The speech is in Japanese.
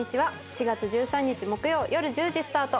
４月１３日木曜夜１０時スタート。